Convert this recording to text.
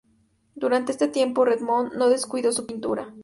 Durante este tiempo Redmond no descuidó su pintura.